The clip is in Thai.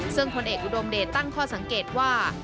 ซึ่งผลเอกอุดมเดชตั้งข้อสังเกตว่า